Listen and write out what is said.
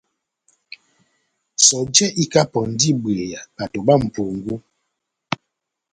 Sɔjɛ ikapɔndi ibweya bato bá mʼpungu.